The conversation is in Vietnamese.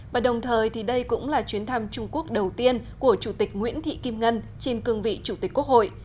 và đồng thời thì đây cũng là chuyến thăm trung quốc đầu tiên của chủ tịch nguyễn thị kim ngân trên cương vị chủ tịch quốc hội